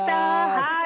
はい！